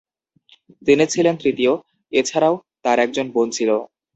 তিনি ছিলেন তৃতীয়, এছাড়াও তার একজন বোন ছিল।